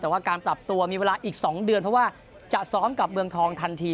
แต่ว่าการปรับตัวมีเวลาอีก๒เดือนเพราะว่าจะซ้อมกับเมืองทองทันที